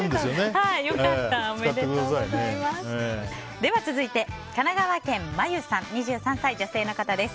では続いて、神奈川県２３歳、女性の方です。